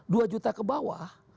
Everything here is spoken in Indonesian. dua juta ke bawah